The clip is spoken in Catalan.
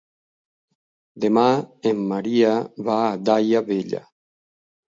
Demà en Maria va a Daia Vella.